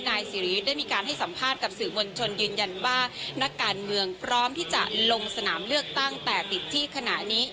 นายสิริได้มีการให้สัมภาษณ์กับสื่อมวลชนยืนยันว่านักการเมืองพร้อมที่จะลงสนามเลือกตั้งแต่ติดที่ขณะนี้